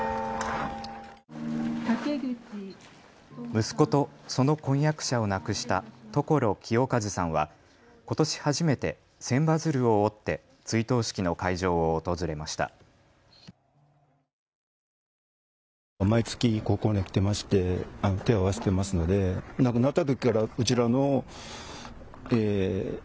息子とその婚約者を亡くした所清和さんは、ことし初めて千羽鶴を折って追悼式の会場を訪れました。